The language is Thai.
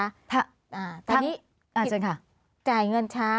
อาจารย์ค่ะจ่ายเงินช้า